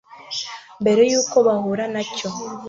mbere yuko buhura nacyo,